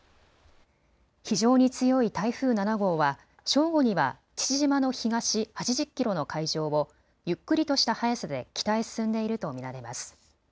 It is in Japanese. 非常に強い台風７号は正午には父島の東８０キロの海上をゆっくりとした速さで北へ進んでいると見られます。